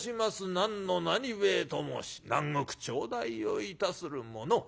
何の何兵衛と申し何石頂戴をいたする者。